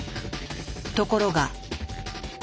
ところが。